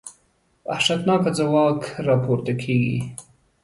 وحشتناکه ځواک راپورته کېږي.